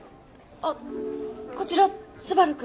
あっこちら昴くん。